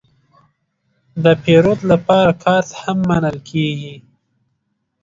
د پیرود لپاره کارت هم منل کېږي.